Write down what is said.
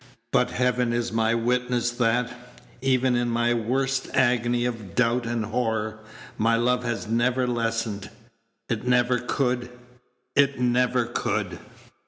but Heaven is my witness that, even in my worst agony of doubt and horror, my love has never lessened. It never could, it never could!"